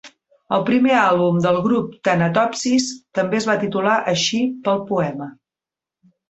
El primer àlbum del grup, "Thanatopsis", també es va titular així pel poema.